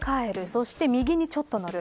そして右にちょっと乗る。